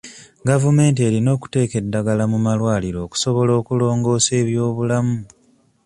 Gavumenti erina okuteeka eddagala mu malwaliro okusobola okulongoosa eby'obulamu.